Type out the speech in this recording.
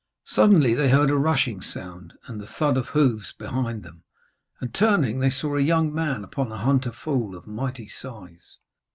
Suddenly they heard a rushing sound and the thud of hoofs behind them, and, turning, they saw a young man upon a hunter foal of mighty size.